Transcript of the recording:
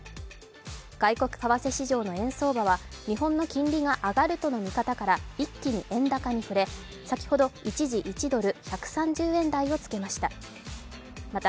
外国為替市場の円相場は日本の金利が上がるとの見方から一気に円高に振れ先ほど一時１ドル＝１３０円台をつけました。